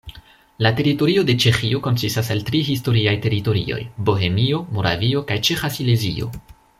La teritorio de Ĉeĥio konsistas el tri historiaj teritorioj: Bohemio, Moravio kaj Ĉeĥa Silezio.